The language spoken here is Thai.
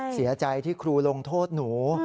เสียใจที่ครูลงโทษหนู